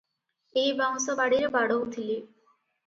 ଏହି ବାଉଁଶବାଡ଼ିରେ ବାଡ଼ଉଥିଲେ ।